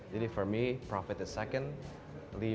jadi bagi saya keuntungan adalah kedua